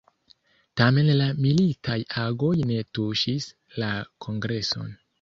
Tamen la militaj agoj ne tuŝis la kongreson.